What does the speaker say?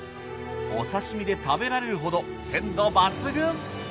お刺身で食べられるほど鮮度抜群。